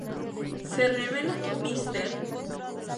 Se revela que Mr.